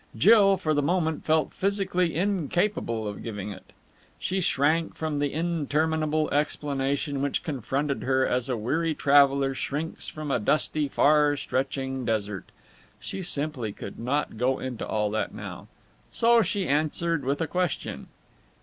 Jill for the moment felt physically incapable of giving it. She shrank from the interminable explanation which confronted her as a weary traveller shrinks from a dusty, far stretching desert. She simply could not go into all that now. So she answered with a question.